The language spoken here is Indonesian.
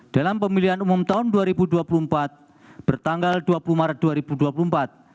dalam pemilihan umum tahun dua ribu dua puluh empat bertanggal dua puluh maret dua ribu dua puluh empat